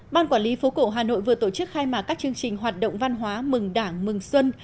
ban quản lý phố cổ hà nội vừa tổ chức khai mạc các chương trình hoạt động văn hóa mừng đảng mừng xuân